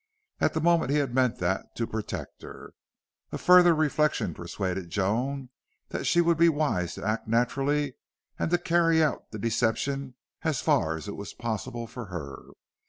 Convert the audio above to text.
At the moment he had meant that to protect her. And further reflection persuaded Joan that she would be wise to act naturally and to carry out the deception as far as it was possible for her.